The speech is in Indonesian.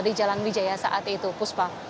di jalan wijaya saat itu puspa